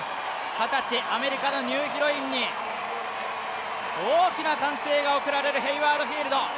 二十歳、アメリカのニューヒロインに大きな歓声が送られるヘイワード・フィールド。